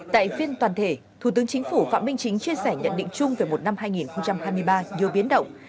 tại phiên toàn thể thủ tướng chính phủ phạm minh chính chia sẻ nhận định chung về một năm hai nghìn hai mươi ba nhiều biến động